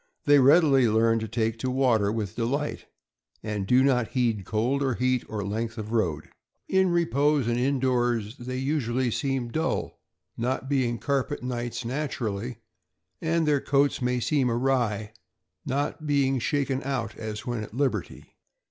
They readily learn to take to water with delight, and do not heed cold or heat or length of road. In repose and in doors they usually seem dull, not being carpet knights naturally; and their coats may seem awry, not being shaken out as when at liberty.